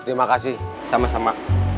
terima kasih sama sama